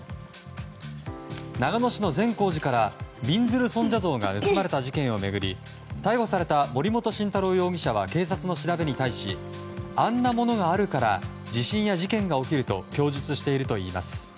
長野市の善光寺からびんずる尊者像が盗まれた事件を巡り逮捕された森本晋太郎容疑者は警察の調べに対しあんなものがあるから地震や事件が起きると供述しているといいます。